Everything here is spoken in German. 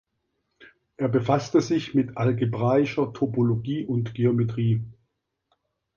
Er befasste sich mit algebraischer Topologie und Geometrie.